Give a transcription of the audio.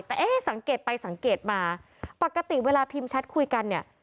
แต่เอ๊ะสังเกตไปสังเกตมาปกติเวลาพิมพ์แชทคุยกันเนี่ย